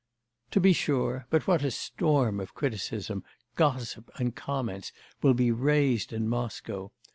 'To be sure. But what a storm of criticism, gossip, and comments will be raised in Moscow!